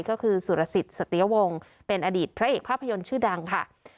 ก็คือสุรสิทธิ์สัตยวงศ์เป็นอดีตพระเอกภาพยนตร์ชื่อดังค่ะ